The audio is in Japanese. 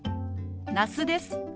那須です。